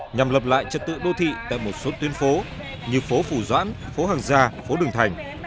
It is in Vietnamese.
nhằm lập lại trật tự đô thị tại một số tuyến phố như phố phủ doãn phố hàng gia phố đường thành